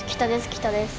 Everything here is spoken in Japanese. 北です